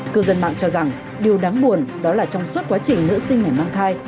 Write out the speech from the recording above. cư dân mạng cho rằng điều đáng buồn đó là trong suốt quá trình nữ sinh này mang thai